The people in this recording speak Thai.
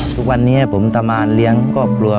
ทุกวันนี้ผมทำงานเลี้ยงครอบครัว